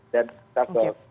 dan ke pergelangan pergelangan